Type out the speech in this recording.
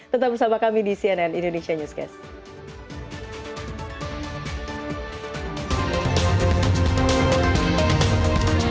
tetap bersama kami di cnn indonesia newscast